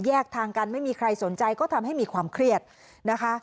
ทางกันไม่มีใครสนใจก็ทำให้มีความเครียดนะคะ